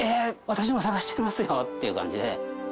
私も探してますよ」っていう感じで。